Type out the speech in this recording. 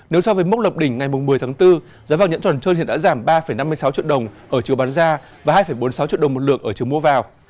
nếu so với mốc lập đỉnh ngày một mươi tháng bốn giá vàng nhẫn tròn trơn hiện đã giảm ba năm mươi sáu triệu đồng ở chiều bán ra và hai bốn mươi sáu triệu đồng một lượng ở chiều mua vào